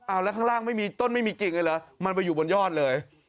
เอาแล้วข้างล่างไม่มีต้นไม่มีกิ่งเลยเหรอมันไปอยู่บนยอดเลย